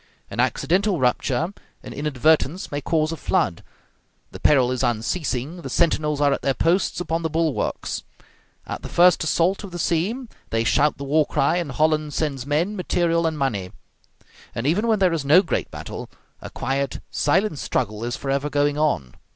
An accidental rupture, an inadvertence, may cause a flood; the peril is unceasing; the sentinels are at their posts upon the bulwarks; at the first assault of the sea, they shout the war cry, and Holland sends men, material, and money. And even when there is no great battle, a quiet, silent struggle is forever going on.